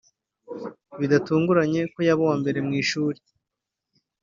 bidatunguranye ko yaba n’uwa mbere mu ishuri